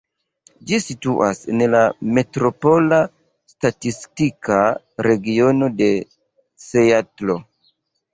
Ĝi situas en la metropola statistika regiono de Seatlo.